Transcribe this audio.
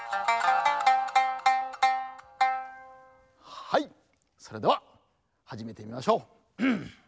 はいそれでははじめてみましょう。